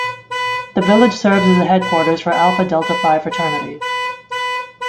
The village serves as the headquarters for Alpha Delta Phi fraternity.